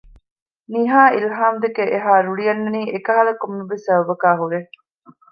ނިހާ އިލްހާމްދެކެ އެހާ ރުޅި އަންނަނީ އެކަހަލަ ކޮންމެވެސް ސަބަބަކާ ހުރޭ